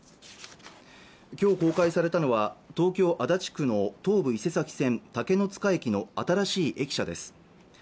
今日公開されたのは東京足立区の東武伊勢崎線竹ノ塚駅の新しい駅舎です